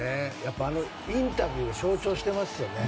インタビューが象徴してますよね。